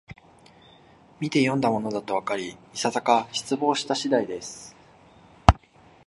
みてよんだものだとわかり、いささか失望した次第です